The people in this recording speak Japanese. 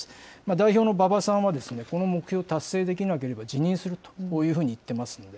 代表の馬場さんは、この目標、達成できなかった辞任するというふうに言ってますので、